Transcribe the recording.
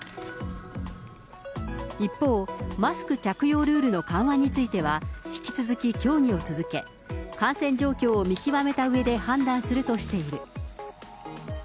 一方、マスク着用ルールの緩和については、引き続き協議を続け、感染状況を見極めたうえで判断するとしている。